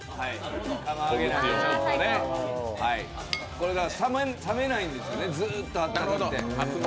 これが冷めないんですよね、ずっと熱くて。